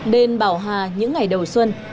đền bảo hà những ngày đầu xuân